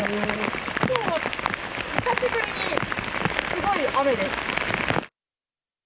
きょうは久しぶりにすごい雨です。